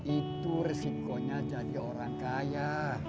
itu resikonya jadi orang kaya